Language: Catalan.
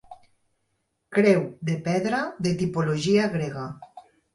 Creu de pedra de tipologia grega.